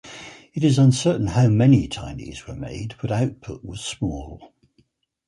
It is uncertain how many Tinys were made but output was small.